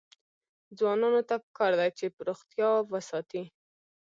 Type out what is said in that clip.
ځوانانو ته پکار ده چې، روغتیا وساتي.